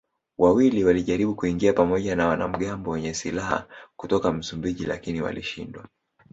Wawili walijaribu kuingia pamoja na wanamgambo wenye silaha kutoka Msumbiji lakini walishindwa.